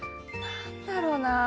何だろうなあ。